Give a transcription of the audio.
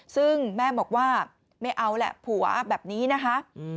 ซึ่งแม่บอกว่าไม่เอาแหละผัวอ้าแบบนี้นะคะ